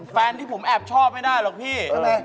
แฟนที่ผมแอบชอบไม่ได้หรอกพี่